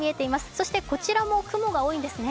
そしてこちらも雲が多いんですね。